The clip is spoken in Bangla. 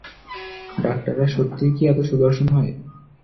ডাক্তাররা সত্যিই কি এতো সুদর্শন হয়?